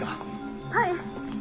はい。